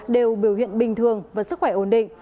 đều biểu hiện bình thường và sức khỏe ổn định